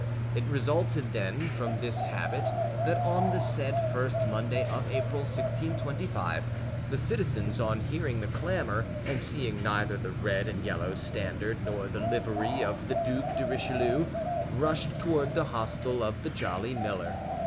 It resulted, then, from this habit that on the said first Monday of April, 1625, the citizens, on hearing the clamor, and seeing neither the red and yellow standard nor the livery of the Duc de Richelieu, rushed toward the hostel of the Jolly Miller.